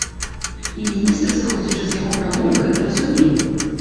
І міністр, зыходзячы з яго прамовы, гэта разумее!